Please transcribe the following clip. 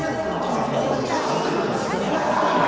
いやここ高さ生かした辺りの。